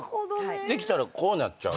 できたらこうなっちゃう。